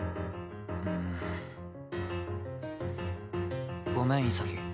うーん。ごめん潔。